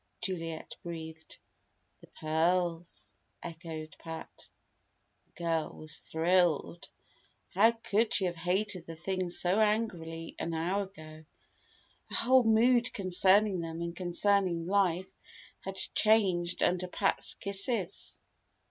Juliet breathed. "The pearls!" echoed Pat. The girl was thrilled. How could she have hated the things so angrily an hour ago? Her whole mood concerning them and concerning life had changed under Pat's kisses.